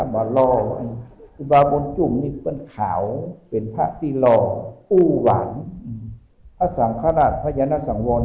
พอและอุบาปุนจุ่มนี้เป็นเขาเป็นพตีหลอกอู่หวันอสังครรัฐพยนตร์สังหวัญ